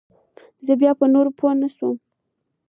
زه بيا په نورو پوه نسوم.